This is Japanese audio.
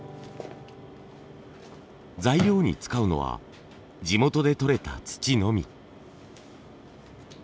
材料に使うのは地元でとれた土のみ。